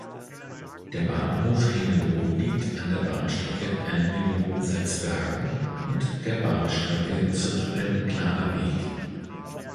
Der Bahnhof Hengelo liegt an der Bahnstrecke Almelo–Salzbergen und der Bahnstrecke Zutphen–Glanerbeek.